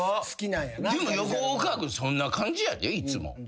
でも横川君そんな感じやでいつも。